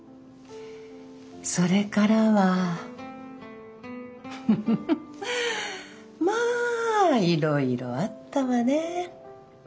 それからはフフフまあいろいろあったわね。